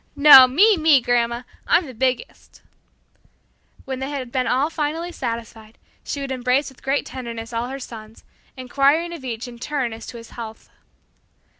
"No, me, me, grandma; I'm the biggest" When they had been all finally satisfied, she would embrace with great tenderness all her sons, inquiring of each in turn as to his health.